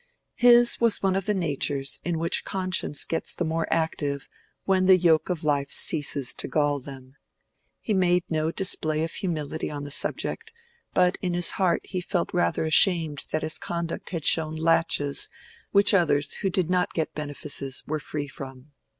His was one of the natures in which conscience gets the more active when the yoke of life ceases to gall them. He made no display of humility on the subject, but in his heart he felt rather ashamed that his conduct had shown laches which others who did not get benefices were free from.